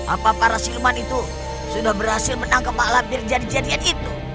apa para silman itu sudah berhasil menangkap pak labir jadi jadian itu